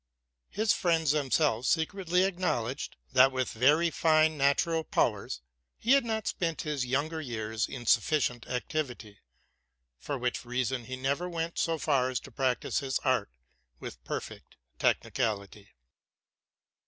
His friends themselves secretly acknowledged, that, with very fine natural powers, he had not spent his younger years in sufficient activity ; for which reason he never went so far as to practise his art with perfect technicality.